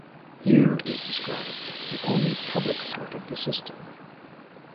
Here is described only the public part of the system.